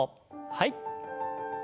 はい。